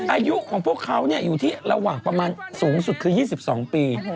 อายุของพวกเขาอยู่ที่ระหว่างประมาณสูงสุดคือ๒๒ปี